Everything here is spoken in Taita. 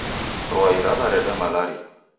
Rwai raw'areda malaria